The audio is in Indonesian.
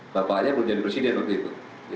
bapaknya mau jadi presiden waktu itu